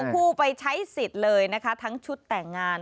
คู่ไปใช้สิทธิ์เลยนะคะทั้งชุดแต่งงาน